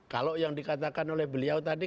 kalau yang dikatakan oleh beliau tadi